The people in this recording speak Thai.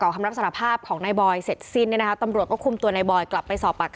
เห็นเขาขับรถไปขับรถมามาไซส์แล้วเฉยแล้วมันไม่ได้คุยอะไรไม่ได้รู้จัก